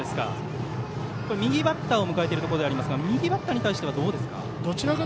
右バッターを迎えているところですが右バッターに対してはどうですか。